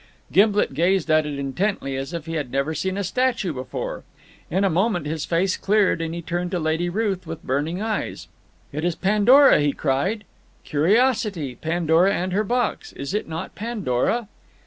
Gimblet gazed at it intently, as if he had never seen a statue before. In a moment his face cleared and he turned to Lady Ruth with burning eyes. "It is Pandora," he cried. "Curiosity! Pandora and her box. Is it not Pandora?"